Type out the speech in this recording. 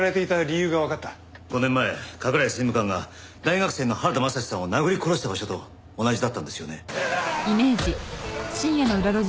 ５年前加倉井政務官が大学生の原田雅史さんを殴り殺した場所と同じだったんですよね。